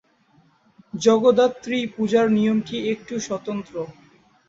জগদ্ধাত্রী পূজার নিয়মটি একটু স্বতন্ত্র।